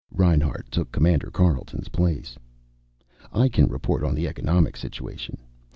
Reinhart took Commander Carleton's place. "I can report on the economic situation.